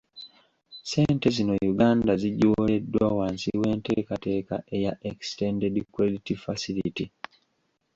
Ssente zino Uganda zigiwoleddwa wansi w'enteekateeka eya Extended Credit Facility.